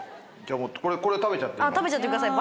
これ食べちゃっていいの？